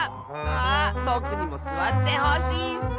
ああぼくにもすわってほしいッス。